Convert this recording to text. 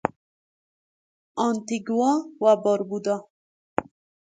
آنتیگوا و باربودا